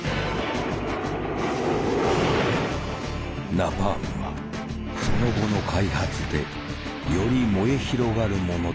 ナパームはその後の開発でより燃え広がるものとなっていた。